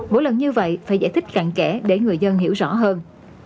mỗi lần như vậy phải giải thích cạn kẻ để người dân hiểu rõ hơn